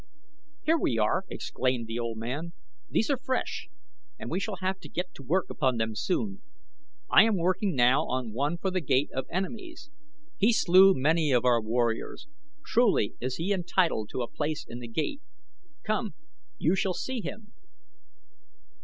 "Here we are," exclaimed the old man. "These are fresh and we shall have to get to work upon them soon. I am working now on one for The Gate of Enemies. He slew many of our warriors. Truly is he entitled to a place in The Gate. Come, you shall see him."